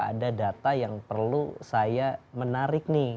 ada data yang perlu saya menarik nih